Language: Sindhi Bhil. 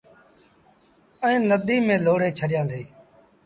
ائيٚݩ نديٚ ميݩ لوڙي ڇڏيآندي۔